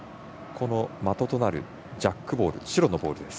的となるジャックボールは白のボールです。